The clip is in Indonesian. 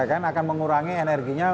akan mengurangi energinya